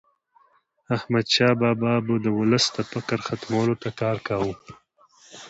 احمدشاه بابا به د ولس د فقر ختمولو ته کار کاوه.